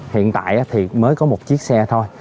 hiện tại thì mới có một chiếc xe thôi